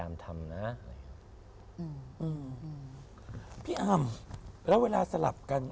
ลมทำนะพี่ล้อมแล้วเวลาสลับกัน